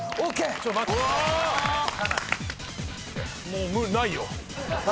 もうないよ。